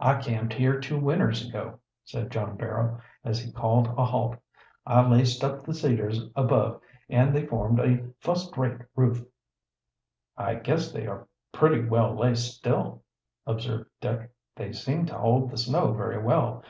"I camped here two winters ago," said John Barrow, as he called a halt. "I laced up the cedars above and they formed a fust rate roof." "I guess they are pretty well laced still," observed Dick. "They seem to hold the snow very well.